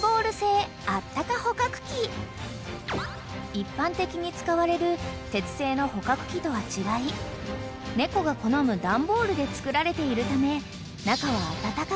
［一般的に使われる鉄製の捕獲器とは違い猫が好む段ボールで作られているため］